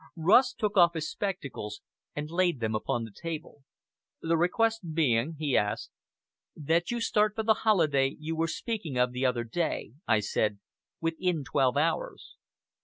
Rust took off his spectacles and laid them upon the table. "The request being " he asked. "That you start for the holiday you were speaking of the other day," I said, "within twelve hours."